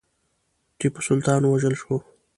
ټیپو سلطان ووژل شو.